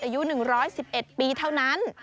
อายุ๑๑๑ปีเท่านั้น